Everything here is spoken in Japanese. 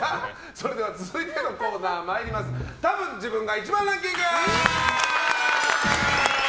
それでは続いてのコーナーたぶん自分が１番ランキング。